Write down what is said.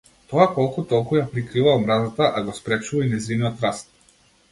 Тоа колку толку ја прикрива омразата, а го спречува и нејзиниот раст.